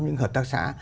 những cái hợp tác xã